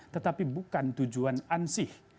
tetapi bukan tujuan ansih